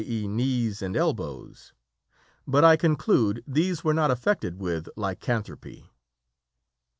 e._, knees and elbows; but I conclude these were not affected with 'Lycanthropy.'"